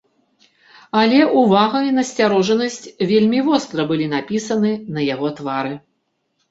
Але ўвага і насцярожанасць вельмі востра былі напісаны на яго твары.